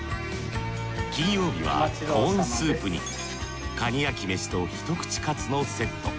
金曜日はコーンスープにカニヤキメシと一口カツのセット。